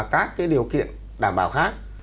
cái điều kiện đảm bảo khác